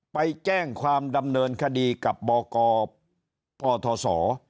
ไปแจ้งความดำเนินคดีกับบกปทศ